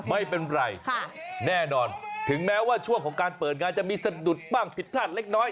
ไม่เป็นไรแน่นอนถึงแม้ว่าช่วงของการเปิดงานจะมีสะดุดบ้างผิดพลาดเล็กน้อย